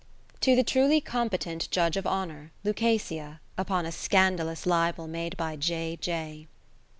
To the truly competent Judge of Honour, Lucasia, upon a scandalous Libel made by J. J.